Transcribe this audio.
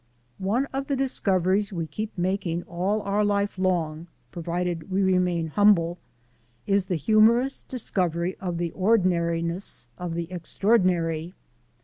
One of the discoveries we keep making all our life long (provided we remain humble) is the humorous discovery of the ordinariness of the extraordinary.